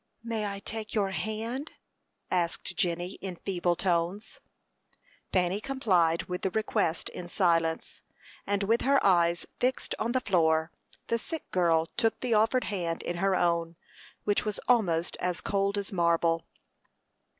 "May I take your hand?" asked Jenny, in feeble tones. Fanny complied with the request in silence, and with her eyes fixed on the floor. The sick girl took the offered hand in her own, which was almost as cold as marble.